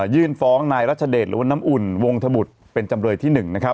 ยื่นฟ้องนายรัชเดชหรือว่าน้ำอุ่นวงธบุตรเป็นจำเลยที่๑นะครับ